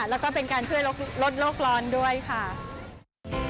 แล้วก็เป็นการช่วยลดโลกร้อนด้วยค่ะ